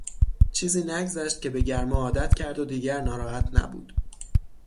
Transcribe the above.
چیزی نگذشت که به گرما عادت کرد و دیگر ناراحت نبود.